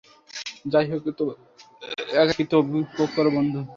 যাইহোক, তোমার একাকীত্ব উপভোগ করো, বন্ধু।